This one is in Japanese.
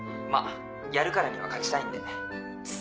まぁやるからには勝ちたいんで。